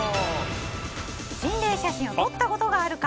心霊写真を撮ったことがあるか。